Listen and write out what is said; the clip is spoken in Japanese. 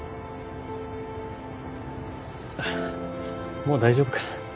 もう大丈夫かな。